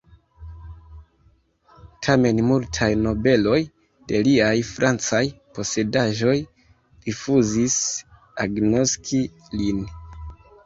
Tamen multaj nobeloj de liaj francaj posedaĵoj rifuzis agnoski lin.